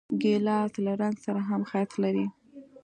ګیلاس له رنګ سره هم ښایست لري.